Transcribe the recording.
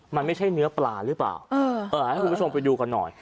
มันไม่ใช่เนื้อปลาหรือเปล่าเออให้คุณผู้ชมไปดูกันหน่อย